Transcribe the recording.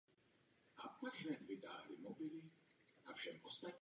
Konrad Henlein se ale zpočátku postavil proti němu a věc musel řešit stranický soud.